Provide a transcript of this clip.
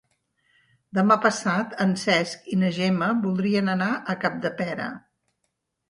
Demà passat en Cesc i na Gemma voldrien anar a Capdepera.